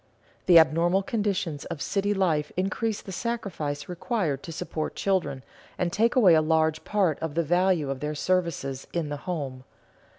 The abnormal conditions of city life increase the sacrifice required to support children, and take away a large part of the value of their services in the home.